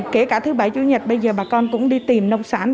kể cả thứ bảy chủ nhật bây giờ bà con cũng đi tìm nông sản